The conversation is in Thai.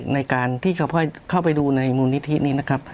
ในการที่จะเข้าไปดูในมูลนิธินี้นะครับ